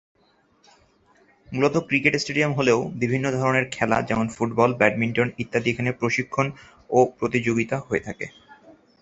মূলত cricket stadium হলেও বিভিন্ন ধরনের খেলা যেমন ফুটবল ব্যাডমিন্টন ইত্যাদি এখানে প্রশিক্ষণ ও প্রতিযোগিতা হয়ে থাকে।